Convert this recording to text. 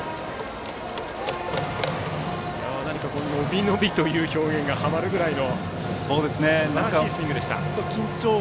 のびのびという表現がはまるくらいのすばらしいスイングでした。